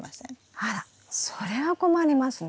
あらそれは困りますね。